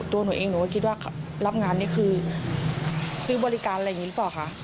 ตัวหนูเองหนูก็คิดว่ารับงานนี่คือซื้อบริการอะไรอย่างนี้หรือเปล่าคะ